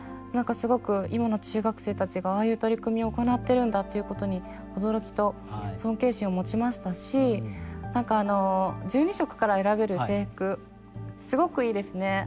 何かすごく今の中学生たちがああいう取り組みを行ってるんだっていうことに驚きと尊敬心を持ちましたし何かあの１２色から選べる制服すごくいいですね。